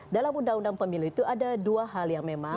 dalam undang undang pemilu itu ada dua hal yang memang